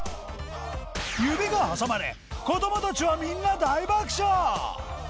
指が挟まれ子どもたちはみんな大爆笑